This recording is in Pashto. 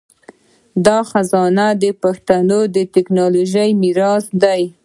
دا خزانه د پښتو د ټکنالوژۍ میراث دی.